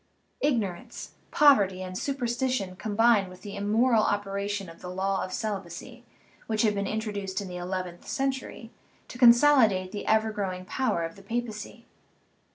Ignorance, pov erty, and superstition combined with the immoral op eration of the law of celibacy, which had been intro duced in the eleventh century, to consolidate the ever growing power of the papacy.